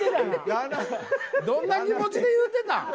どんな気持ちで言うてたん？